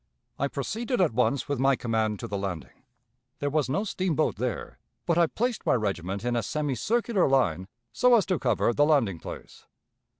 "I proceeded at once with my command to the landing; there was no steamboat there, but I placed my regiment in a semicircular line so as to cover the landing place.